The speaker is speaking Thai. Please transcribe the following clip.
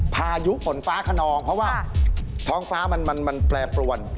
พายุฝนฟ้าขนองเพราะว่าท้องฟ้ามันแปรปรวน